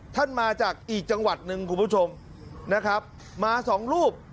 ท่านมาจากอีกจังหวัดหนึ่งคุณผู้ชมนะครับมาสองรูป